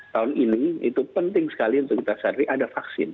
tahun ini itu penting sekali untuk kita sadari ada vaksin